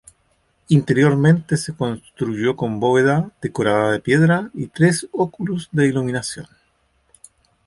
Interiormente se construyó con bóveda decorada de piedra y tres óculos de iluminación.